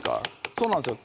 そうなんですよ